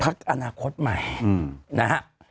พรรคอนาคตใหม่นะฮะ